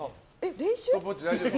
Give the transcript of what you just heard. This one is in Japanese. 練習？